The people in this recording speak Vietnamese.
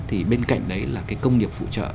thì bên cạnh đấy là cái công nghiệp phụ trợ